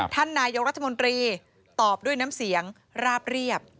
ท่านนายกรัฐมนตรีตอบด้วยน้ำเสียงราบเรียบ